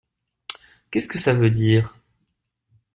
Qu’est-ce que ça veut dire ?